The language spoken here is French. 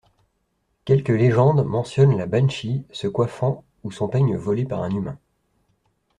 Quelques légendes mentionnent la banshee se coiffant ou son peigne volé par un humain.